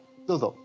どうぞ。